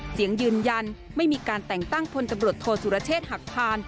เสียงยืนยันไม่มีการแต่งตั้งพลตำรวจโทษสุรเชษฐ์หักพาน